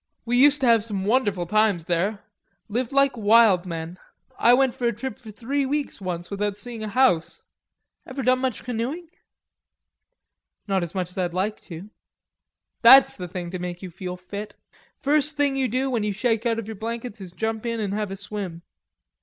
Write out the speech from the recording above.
We used to have some wonderful times there... lived like wild men. I went for a trip for three weeks once without seeing a house. Ever done much canoeing?" "Not so much as I'd like to." "That's the thing to make you feel fit. First thing you do when you shake out of your blankets is jump in an' have a swim.